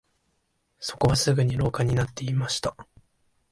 そこはすぐ廊下になっていました